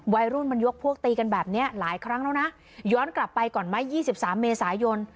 วัยรุ่นมันยกพวกตีกันแบบนี้หลายครั้งแล้วนะย้อนกลับไปก่อนไหม๒๓เมษายน